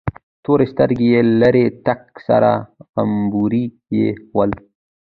تورې سترگې يې لرلې، تک سره غمبوري یې ول.